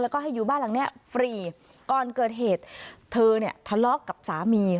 แล้วก็ให้อยู่บ้านหลังเนี้ยฟรีก่อนเกิดเหตุเธอเนี่ยทะเลาะกับสามี